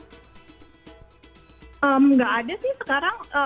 tidak ada sih sekarang